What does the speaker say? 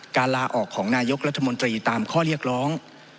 ลาออกของนายกรัฐมนตรีตามข้อเรียกร้อง